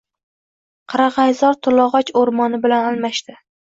Qarag`ayzor tilog`och o`rmoni bilan almashdi